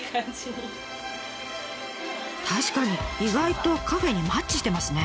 確かに意外とカフェにマッチしてますね。